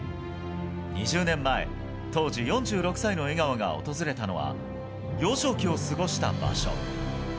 ２０年前、当時２６歳の江川が訪れたのは幼少期を過ごした場所。